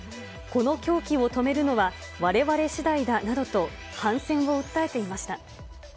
この狂気を止めるのは、われわれしだいだなどと、反戦を訴えていました。